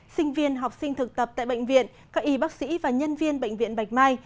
sinh viên học sinh thực tập tại bệnh viện các y bác sĩ và nhân viên bệnh viện bạch mai